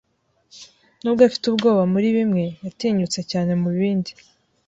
Nubwo afite ubwoba muri bimwe, yatinyutse cyane mubindi.